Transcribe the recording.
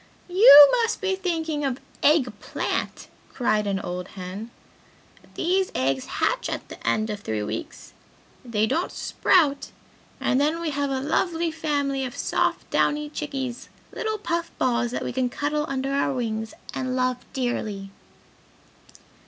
"You must be thinking of eggplant!" cried one old hen. "These eggs hatch at the end of three weeks they don't sprout and then we have a lovely family of soft downy chickies; little puff balls that we can cuddle under our wings and love dearly!"